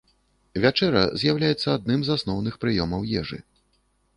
Вячэра з'яўляецца адным з асноўных прыёмаў ежы.